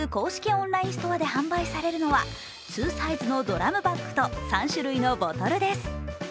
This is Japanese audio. オンラインストアで販売されるのは、２サイズのドラムバッグと３種類のボトルです。